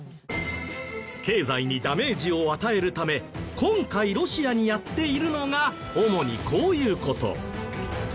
経済にダメージを与えるため今回ロシアにやっているのが主にこういう事。